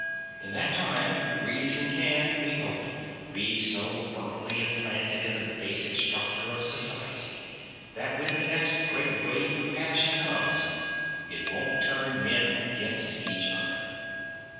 In that time, reason can we hope be so firmly implanted in the basic structure of society that when the next great wave of passion comes it won't turn men against each other.